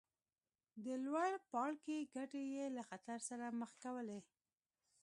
د لوړ پاړکي ګټې یې له خطر سره مخ کولې.